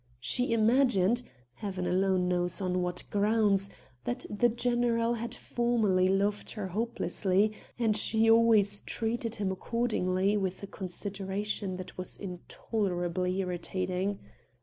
She imagined Heaven alone knows on what grounds that the general had formerly loved her hopelessly, and she always treated him accordingly with a consideration that was intolerably irritating.